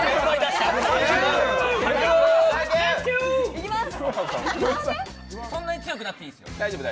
いきます。